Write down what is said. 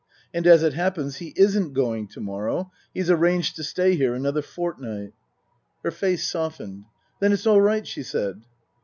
And as it happens he isn't going to morrow. He's arranged to stay here another fortnight." Her face softened. " Then it's all right," she said.